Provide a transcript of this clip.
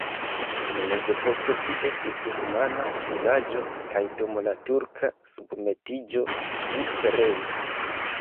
En mezepoko ĝi estis rumana vilaĝo kaj dum la turka submetiĝo ĝi pereis.